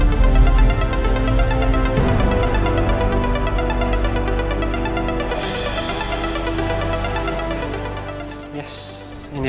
jangan lupa siapa